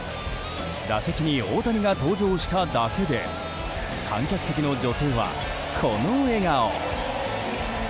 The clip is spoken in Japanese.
打席に大谷が登場しただけで観客席の女性は、この笑顔。